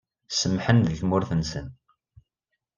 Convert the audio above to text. Semmḥen di tmurt-nsen.